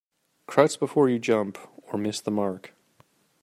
Crouch before you jump or miss the mark.